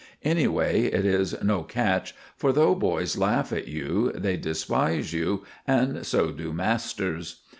Anyway, it is no catch, for though boys laugh at you, they despise you, and so do masters.